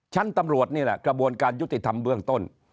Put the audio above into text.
ชั้นตำรวจนี่แหละกระบวนการยุติธรรมเบื้องต้น